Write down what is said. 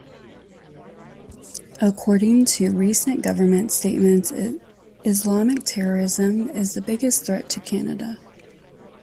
According to recent government statements Islamic terrorism is the biggest threat to Canada.